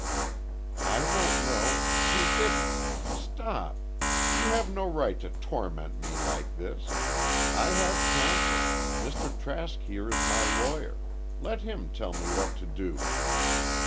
"I don't know—he didn't! Stop! You have no right to torment me like this! I have counsel—Mr. Trask here is my lawyer. Let him tell me what to do!"